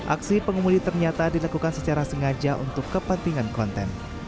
aksi pengemudi ternyata dilakukan secara sengaja untuk kepentingan konten